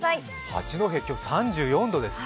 八戸今日３４度です。